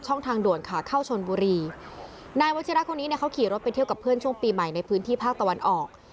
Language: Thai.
ทางด่วนขาเข้าชนบุรีนายวัชิระคนนี้เนี่ยเขาขี่รถไปเที่ยวกับเพื่อนช่วงปีใหม่ในพื้นที่ภาคตะวันออก